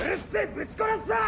ぶち殺すぞ！